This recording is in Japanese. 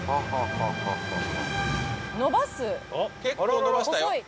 結構のばしたよ。